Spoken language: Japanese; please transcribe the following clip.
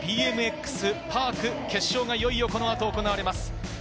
ＢＭＸパーク決勝がいよいよこの後、行われます。